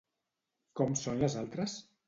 Com són les altres?